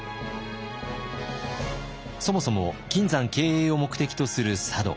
そもそも金山経営を目的とする佐渡。